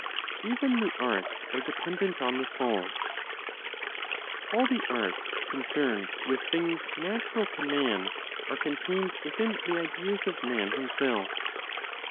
EVEN THE ARTS ARE DEPENDENT ON THE SOUL. All the arts concerned with things natural to man are contained within the ideas of Man himself.